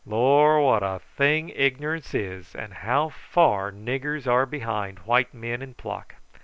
"Lor', what a thing ignorance is, and how far niggers are behind white men in pluck!